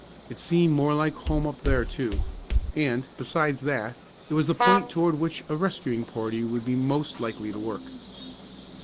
It seemed more like home up there too; and, besides that, it was the point toward which a rescuing party would be most likely to work.